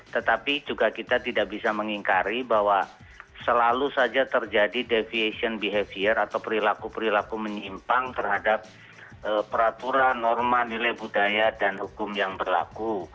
tetapi juga kita tidak bisa mengingkari bahwa selalu saja terjadi deviation behavior atau perilaku perilaku menyimpang terhadap peraturan norma nilai budaya dan hukum yang berlaku